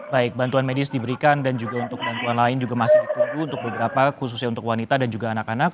baik bantuan medis diberikan dan juga untuk bantuan lain juga masih ditunggu untuk beberapa khususnya untuk wanita dan juga anak anak